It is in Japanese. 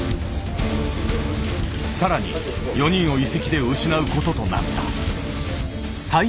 更に４人を移籍で失う事となった。